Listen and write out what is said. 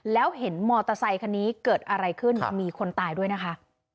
แล้วเห็นมอเตอร์ไซคันนี้เกิดอะไรขึ้นมีคนตายด้วยนะคะ